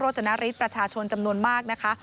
จนฤทธิประชาชนจำนวนมากนะคะ